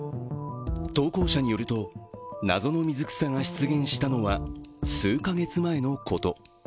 投稿者によると、謎の水草が出現したのは数か月前のこと。